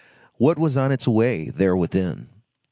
What was on its way there within?